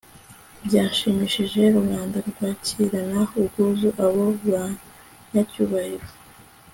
byashimishije rubanda kwakirana ubwuzu abo banyacyubahiro